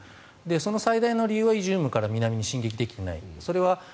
その最大の理由はイジュームから南に進軍できていない。